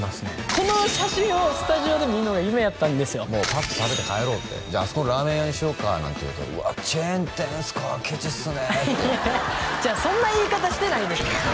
この写真をスタジオで見んのが夢やったんですよぱっと食べて帰ろうってあそこのラーメン屋にしようかなんて言うとうわっチェーン店っすかケチっすねってそんな言い方してないです